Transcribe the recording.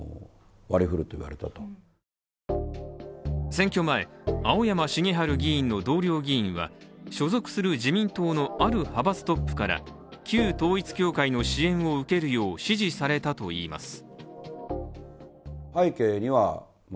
選挙前、青山繁晴議員の同僚議員は所属する自民党のある派閥トップから旧統一教会の支援を受けるよう指示されたといいます。